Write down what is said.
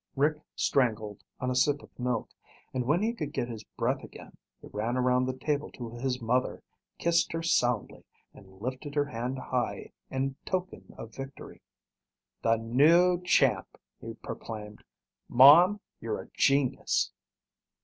Rick strangled on a sip of milk, and when he could get his breath again, he ran around the table to his mother, kissed her soundly and lifted her hand high in token of victory. "The new champ," he proclaimed. "Mom, you're a genius!"